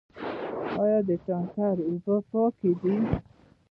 آیا د تانکر اوبه پاکې دي؟